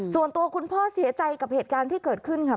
ส่วนตัวคุณพ่อเสียใจกับเหตุการณ์ที่เกิดขึ้นค่ะ